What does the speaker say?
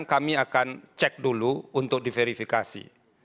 sebelum ini disahkankan kami akan cek dulu untuk diverifikasi